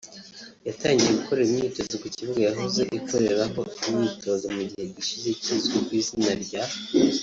yatangiye gukorera imyitozo ku kibuga yahoze ikoreraho imyitozo mu gihe gishize kizwi ku izina rya